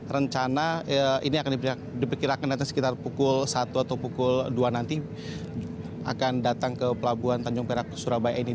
rencana ini akan diperkirakan nanti sekitar pukul satu atau pukul dua nanti akan datang ke pelabuhan tanjung perak surabaya ini